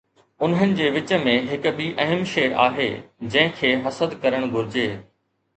انهن جي وچ ۾ هڪ ٻي اهم شيء آهي جنهن کي حسد ڪرڻ گهرجي.